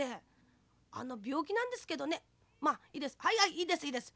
いいですいいです。